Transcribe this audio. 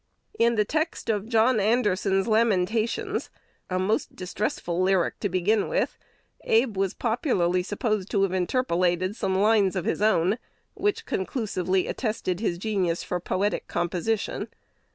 In the text of "John Anderson's Lamentations," a most distressful lyric to begin with, Abe was popularly supposed to have interpolated some lines of his own, which conclusively attested his genius for poetic composition.